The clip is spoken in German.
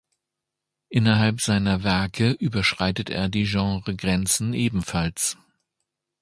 Innerhalb seiner Werke überschreitet er die Genre-Grenzen ebenfalls.